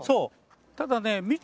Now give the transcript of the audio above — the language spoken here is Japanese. ただね。